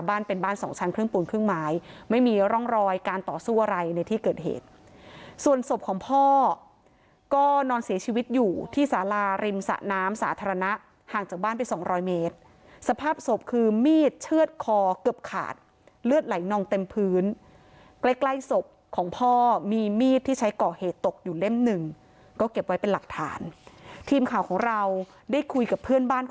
บ้านเป็นบ้านสองชั้นครึ่งปูนครึ่งไม้ไม่มีร่องรอยการต่อสู้อะไรในที่เกิดเหตุส่วนศพของพ่อก็นอนเสียชีวิตอยู่ที่สาราริมสะน้ำสาธารณะห่างจากบ้านไปสองร้อยเมตรสภาพศพคือมีดเชื่อดคอเกือบขาดเลือดไหลนองเต็มพื้นใกล้ใกล้ศพของพ่อมีมีดที่ใช้ก่อเหตุตกอยู่เล่มหนึ่งก็เก็บไว้เป็นหลักฐานทีมข่าวของเราได้คุยกับเพื่อนบ้านก